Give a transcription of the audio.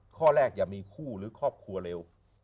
ข้อแรกอย่ามีคู่หรือครอบครัวเร็ว